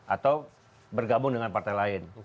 atau bergabung dengan partai lain